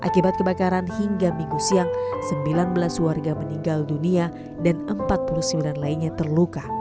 akibat kebakaran hingga minggu siang sembilan belas warga meninggal dunia dan empat puluh sembilan lainnya terluka